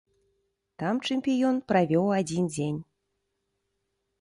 Там чэмпіён правёў адзін дзень.